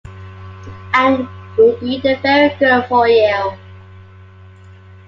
Anne will be the very girl for you.